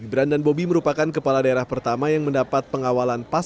gibran dan bobby merupakan kepala daerah pertama yang mendapat pengawalan pas pampres